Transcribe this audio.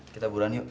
kita buruan yuk